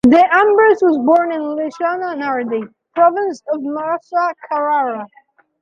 De Ambris was born in Licciana Nardi, province of Massa-Carrara.